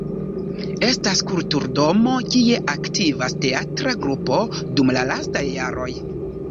Estas kulturdomo kie aktivas teatra grupo dum la lastaj jaroj.